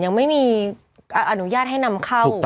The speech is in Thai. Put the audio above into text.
ยังไม่มีอนุญาตให้นำเข้า